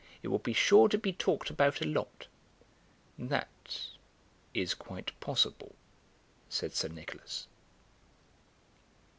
It will be sure to be talked about a lot." "That is quite possible," said Sir Nicholas.